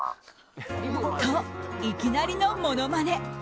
と、いきなりのものまね。